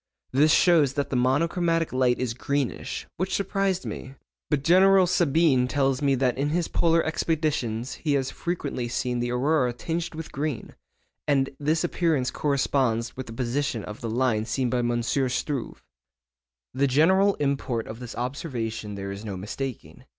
This shows that the monochromatic light is greenish, which surprised me; but General Sabine tells me that in his polar expeditions he has frequently seen the aurora tinged with green, and this appearance corresponds with the position of the line seen by M. Struve.' The general import of this observation there is no mistaking.